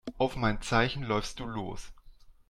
Auf mein Zeichen läufst du los.